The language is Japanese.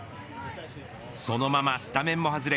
そのままスタメンも外れ